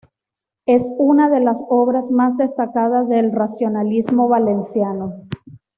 Es una de las obras más destacadas del racionalismo valenciano.